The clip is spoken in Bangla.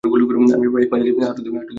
আমি প্রায় এক মাস আগে হাঁটুতে ব্যথা পাই।